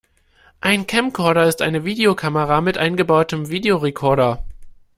Ein Camcorder ist eine Videokamera mit eingebautem Videorekorder.